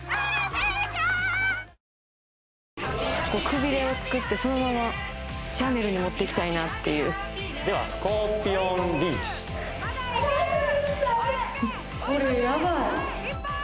くびれを作ってそのままシャネルにもっていきたいなっていうではスコーピオンリーチこれヤバい！